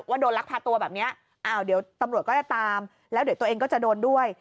ว่าโดนลักพาตัวแบบนี้อ้าวเดี๋ยวตำรวจก็จะตามแล้วเดี๋ยวตัวเองก็จะโดนด้วย